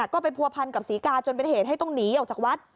ก็ไปผัวพันกับศรีกาจนเป็นเหตุให้ต้องหนีออกจากวัด